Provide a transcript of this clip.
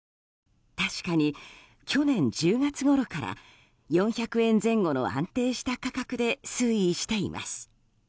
確かに去年１０月ごろから４００円前後の安定した価格で推移しています。